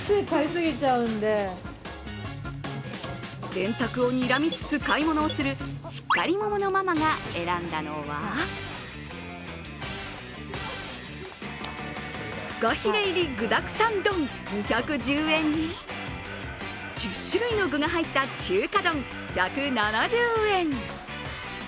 電卓をにらみつつ買い物をするしっかり者のママが選んだのはフカヒレ入り具だくさん丼２１０円に１０種類の具が入った中華丼１７０円。